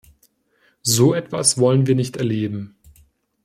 So etwas wollen wir nicht erleben.